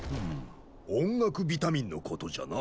音楽ビタミンのことじゃな。